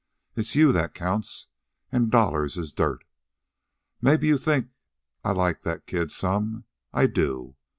It's you that counts. An' dollars is dirt. Maybe you think I like that kid some. I do.